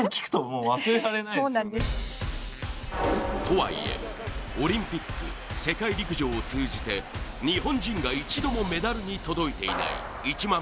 とはいえ、オリンピック世界陸上を通じて日本人が一度もメダルに届いていない１００００ｍ。